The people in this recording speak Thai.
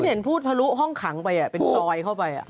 เห็นพูดทะลุห้องขังไปเป็นซอยเข้าไป